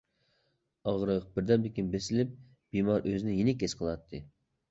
ئاغرىق بىردەمدىن كېيىن بېسىلىپ، بىمار ئۆزىنى يېنىك ھېس قىلاتتى.